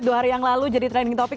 dua hari yang lalu jadi trending topic